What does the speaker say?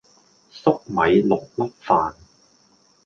栗米六粒飯